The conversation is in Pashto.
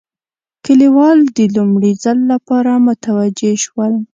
کلیوال د لومړي ځل لپاره متوجه شول.